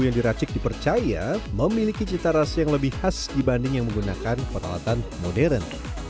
yang diracik dipercaya memiliki cita rasa yang lebih khas dibanding yang menggunakan peralatan modern